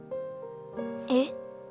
えっ？